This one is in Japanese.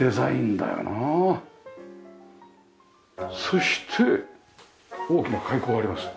そして大きな開口があります。